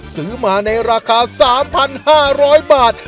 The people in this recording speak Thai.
ซื้อมาในราคา๓๕๐๐บาท